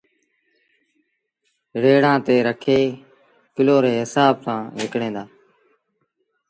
ريڙآݩ تي رکي ڪلو ري هسآب سآݩ وڪڻيٚن دآ